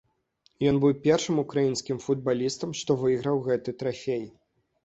Ён быў першым украінскім футбалістам, што выйграў гэты трафей.